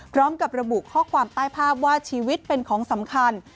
พร้อมกับระบุข้อความใต้ภาพว่าชีวิตเป็นของสำคัญ